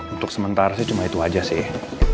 untuk sementara sih cuma itu aja sih